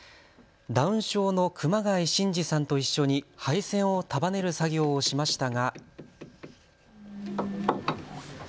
ダウン症の熊谷慎二さんと一緒に配線を束ねる作業をしましたが。